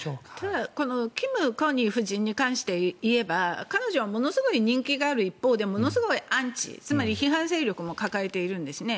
キム・ゴンヒ夫人に関していえば彼女はものすごく人気がある一方でものすごいアンチつまり批判勢力を抱えているんですね。